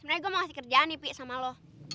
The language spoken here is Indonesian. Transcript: sebenarnya gua mau kasih kerjaan nih pi sama lo